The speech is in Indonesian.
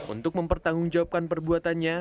untuk mempertanggungjawabkan perbuatannya